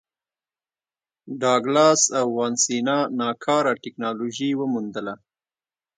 ډاګلاس او وانسینا ناکاره ټکنالوژي وموندله.